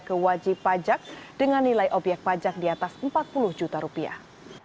ke wajib pajak dengan nilai obyek pajak di atas empat puluh juta rupiah